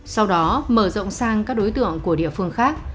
sau đó mở rộng sang các đối tượng của địa phương khác